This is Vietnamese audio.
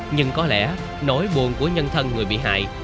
nhưng có lẽ nỗi buồn của nhân thân người bị hại